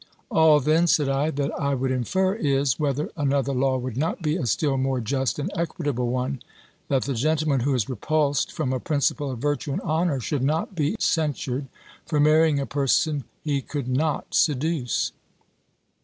"All then," said I, "that I would infer, is, whether another law would not be a still more just and equitable one, that the gentleman who is repulsed, from a principle of virtue and honour, should not be censured for marrying a person he could not seduce?